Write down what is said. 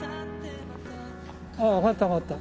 ああ揚がった揚がった。